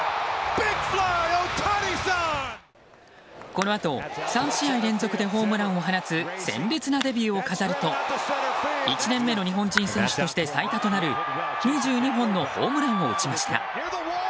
このあと、３試合連続でホームランを放つ鮮烈なデビューを飾ると１年目の日本人選手として最多となる２２本のホームランを打ちました。